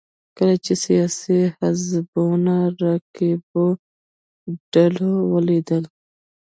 کله چې سیاسي حزبونو رقیبو ډلو ولیدل